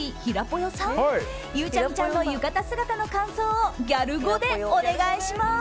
ぽよさんゆうちゃみさんの浴衣姿の感想をギャル語でお願いします。